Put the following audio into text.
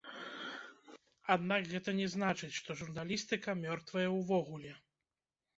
Аднак гэта не значыць, што журналістыка мёртвая ўвогуле.